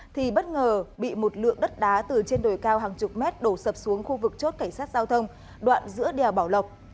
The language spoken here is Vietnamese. thì bất ngờ bị một lượng đất đá từ trên đồi cao hàng chục mét đổ sập xuống khu vực chốt cảnh sát giao thông đoạn giữa đèo bảo lộc